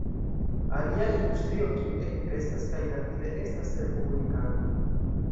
Alia industrio kiu ege kreskas kaj rapide estas telekomunikado.